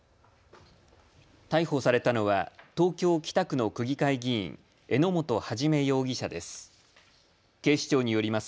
逮捕されたのは東京北区の区議会議員、榎本一容疑者です。